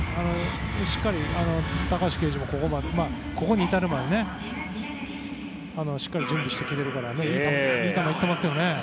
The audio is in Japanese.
高橋奎二も、ここに至るまでしっかり準備してきてるからいい球がいっていますよね。